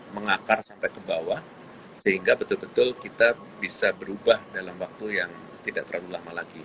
mengakar sampai ke bawah sehingga betul betul kita bisa berubah dalam waktu yang tidak terlalu lama lagi